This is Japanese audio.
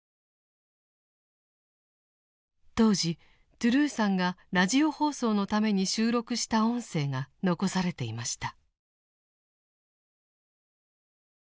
当時トゥルーさんがラジオ放送のために収録した音声が残されていました。